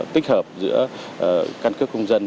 tích hợp giữa căn cấp công dân